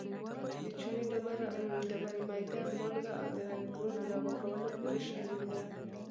د چونې ډبرې، میده مالګه او د رنګولو برش اړین دي.